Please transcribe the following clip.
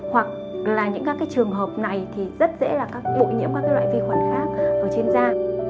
hoặc là những các trường hợp này thì rất dễ là bụi nhiễm các loại vi khuẩn khác ở trên da